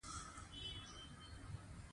او د وجود مدافعت هم دغه بره اتيا فيصده برخه کموي